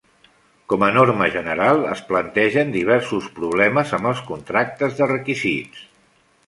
Com a norma general, es plantegen diversos problemes amb els contractes de requisits.